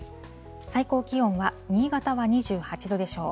最高気温は大阪は２８度でしょう。